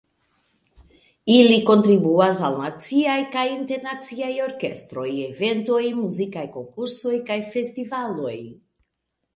Ili kontribuas al naciaj kaj internaciaj orkestroj, eventoj, muzikaj konkursoj kaj festivaloj.